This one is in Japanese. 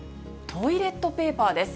トイレットペーパーです。